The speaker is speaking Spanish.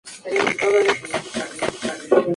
Un rígido sistema estructural crea la armadura.